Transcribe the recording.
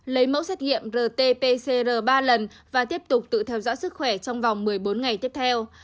lấy mẫu xét nghiệm rt pcr ba lần và tiếp tục tự theo dõi sức khỏe trong vòng một mươi bốn ngày tiếp theo